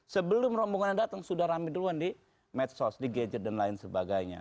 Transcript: sebelum rombongan datang sudah rame duluan di medsos di gadget dan lain sebagainya